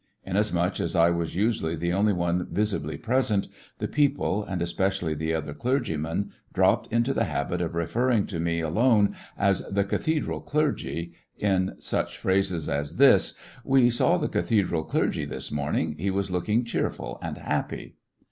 Inasmuch as I was usually the only one visibly present, the people, and especially the other clergymen, dropped into the habit of referring to me alone as the "cathedral clergy," in such phrases as this: "We saw the cathedral clergy this morning. He was looking cheerful and happy."